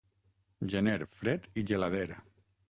Gener, fred i gelader.